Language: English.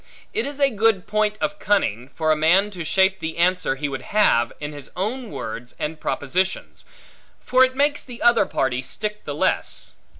It is a good point of cunning, for a man to shape the answer he would have, in his own words and propositions; for it makes the other party stick the less.